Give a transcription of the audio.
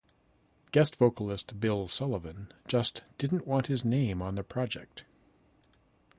Guest vocalist Bill Sullivan just didn't want his name on the project.